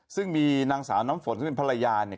ซึ่งมีนางสาวน้ำฝนซึ่งเป็นภรรยาเนี่ย